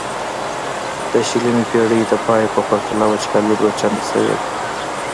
د شلمې پیړۍ د پای په پرتله وچکالي دوه چنده شوې ده.